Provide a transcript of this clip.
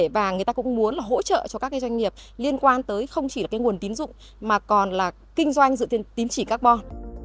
và người ta cũng muốn là hỗ trợ cho các doanh nghiệp liên quan tới không chỉ là cái nguồn tín dụng mà còn là kinh doanh dựa trên tín chỉ carbon